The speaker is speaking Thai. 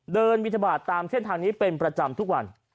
บินทบาทตามเส้นทางนี้เป็นประจำทุกวัน